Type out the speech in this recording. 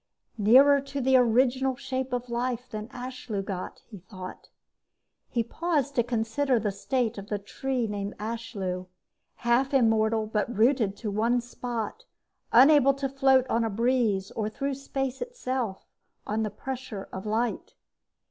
Nearer to the original shape of the Life than Ashlew got, he thought. He paused to consider the state of the tree named Ashlew, half immortal but rooted to one spot, unable to float on a breeze or through space itself on the pressure of light.